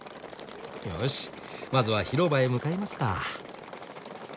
よしまずは広場へ向かいますか。